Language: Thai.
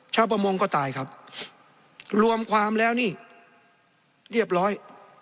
ชาวประมงก็ตายครับรวมความแล้วนี่เรียบร้อย